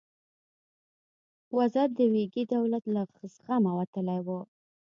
وضعیت د ویګي دولت له زغمه وتلی و.